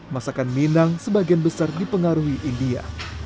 masakan minang sebagian besar dipengaruhi india